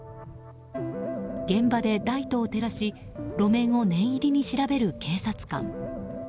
現場でライトを照らし路面を念入りに調べる警察官。